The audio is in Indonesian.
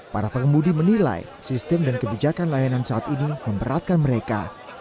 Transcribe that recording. para pengemudi menilai sistem dan kebijakan layanan saat ini memberatkan mereka